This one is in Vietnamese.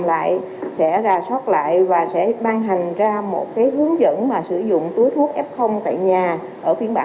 sở y tế sẽ ra sót lại và sẽ ban hành ra một hướng dẫn sử dụng túi thuốc f tại nhà ở phiên bản một sáu